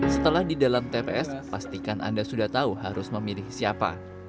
setelah di dalam tps pastikan anda sudah tahu harus memilih siapa